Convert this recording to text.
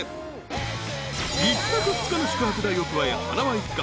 ［１泊２日の宿泊代を加えはなわ一家